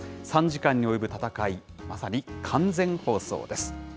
３時間に及ぶ戦い、まさに完全放送です。